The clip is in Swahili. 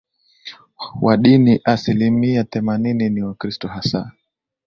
wa dini asilimia themanini ni Wakristo hasa